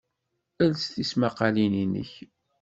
Els tismaqalin-nnek